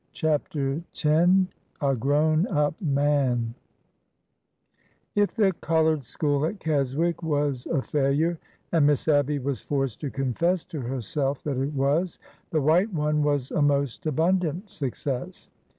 CHAPTER X A GROWN UP MAN '' I F the colored school at Keswick was a failure, — and Miss Abby was forced to confess to herself that it was, —the white one was a most abundant success.